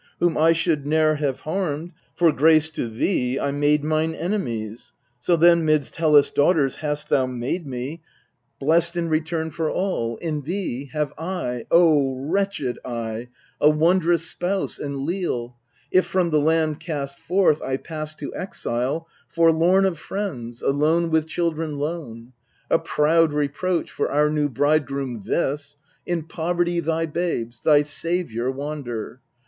Whom I should ne'er have harmed, For grace to thee I made mine enemies. So then midst Hellas' daughters hast thou made me 1 Or " Yea, cast out all their fear." 260 EURIPIDES Blest in return for all : in thee have I O wretched I ! a wondrous spouse and leal, 1 If from the land cast forth I pass to exile Forlorn of friends, alone with children lone. A proud reproach for our new bridegroom this In poverty thy babes, thy saviour, wander